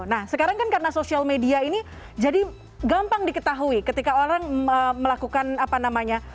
nah sekarang kan karena sosial media ini jadi gampang diketahui ketika orang melakukan apa namanya